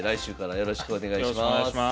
よろしくお願いします。